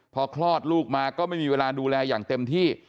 พอคลอดลูกมาก็ไม่มีเวลาดูแลอย่างเต็มที่